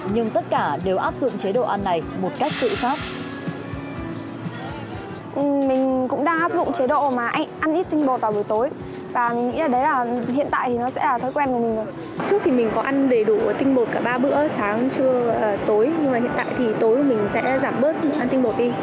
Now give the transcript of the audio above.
nhưng mà hiện tại thì tối mình sẽ giảm bớt ăn tinh bột đi